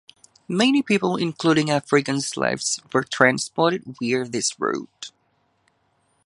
Many people, including African slaves, were transported via this route.